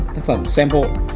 tác phẩm xem hộ